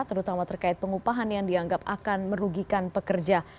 terutama terkait pengupahan yang dianggap akan merugikan pekerja